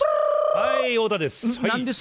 はい太田です。